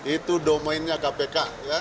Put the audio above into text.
itu domainnya kpk